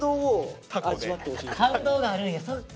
感動があるんやそっか。